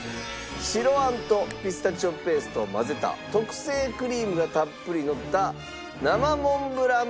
白あんとピスタチオペーストを混ぜた特製クリームがたっぷりのった生モンブランパルフェですか？